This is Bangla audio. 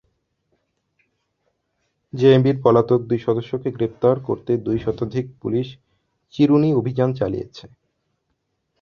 জেএমবির পলাতক দুই সদস্যকে গ্রেপ্তার করতে দুই শতাধিক পুলিশ চিরুনি অভিযান চালিয়েছে।